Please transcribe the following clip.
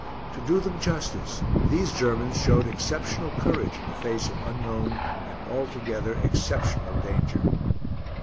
To do them justice, these Germans showed exceptional courage in the face of unknown and altogether exceptional danger.